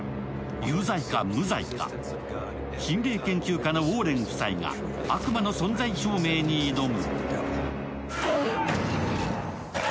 有罪か無罪か、心霊研究家のウォーレン夫妻が悪魔の存在証明に挑む。